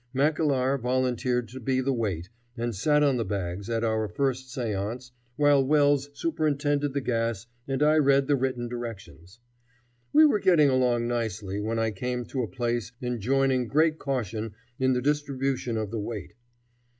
Mackellar volunteered to be the weight, and sat on the bags, at our first seance, while Wells superintended the gas and I read the written directions. We were getting along nicely when I came to a place enjoining great caution in the distribution of the weight.